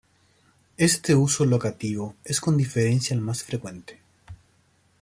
Este uso locativo es con diferencia el más frecuente.